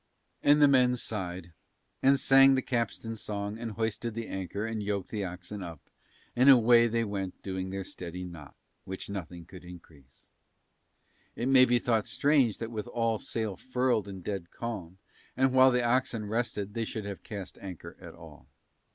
And the men sighed, and sang the capstan song and hoisted the anchor and yoked the oxen up, and away they went doing their steady knot, which nothing could increase. It may be thought strange that with all sail furled in dead calm and while the oxen rested they should have cast anchor at all.